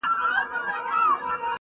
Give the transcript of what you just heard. یوه سړي ورباندي نوم لیکلی،